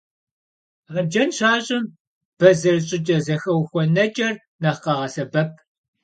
Арджэн щащӏым, бэзэр щӏыкӏэ зэхэухуэнэкӏэр нэхъ къагъэсэбэп.